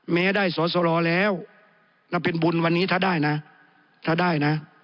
แม้ได้สอดศรอแล้วนับเป็นบุญวันนี้ถ้าได้นะ